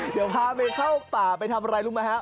เดี๋ยวพาไปเข้าป่าไปทำอะไรรู้ไหมครับ